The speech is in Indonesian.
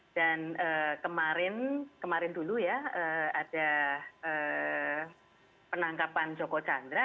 dan kemarin dulu ya ada penangkapan joko chandra